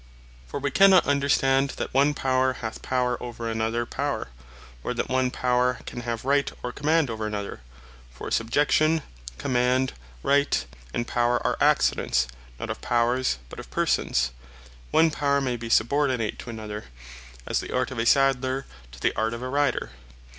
For wee cannot understand, that one Power hath Power over another Power; and that one Power can have Right or Command over another: For Subjection, Command, Right, and Power are accidents, not of Powers, but of Persons: One Power may be subordinate to another, as the art of a Sadler, to the art of a Rider.